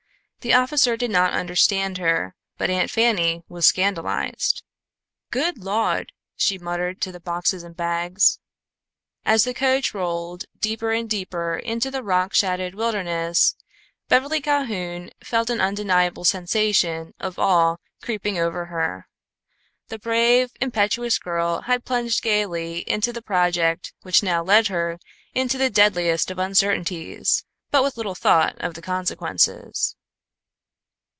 The officer did not understand her, but Aunt Fanny was scandalized. "Good Lawd!" she muttered to the boxes and bags. As the coach rolled deeper and deeper into the rock shadowed wilderness, Beverly Calhoun felt an undeniable sensation of awe creeping over her. The brave, impetuous girl had plunged gaily into the project which now led her into the deadliest of uncertainties, with but little thought of the consequences.